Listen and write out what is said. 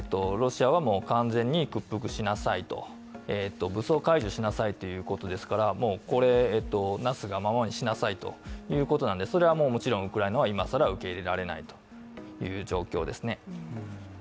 ロシアは完全に屈服しなさいと、武装解除しなさいということですからもう、なすがままにしなさいということ何でそれはもちろんウクライナは今更受け入れられないという状況ですね。